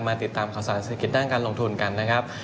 ติดตามข่าวสารเศรษฐกิจด้านการลงทุนกันนะครับ